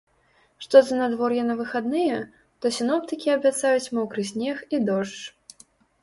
Што да надвор'я на выхадныя, то сіноптыкі абяцаюць мокры снег і дождж.